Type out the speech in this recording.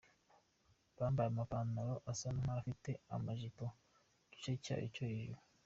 Bambaye amapantalo asa nk’afite amajipo ku gice cyayo cyo hejuru.